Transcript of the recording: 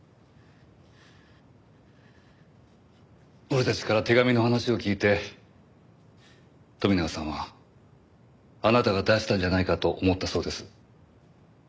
俺たちから手紙の話を聞いて富永さんはあなたが出したんじゃないかと思ったそうです。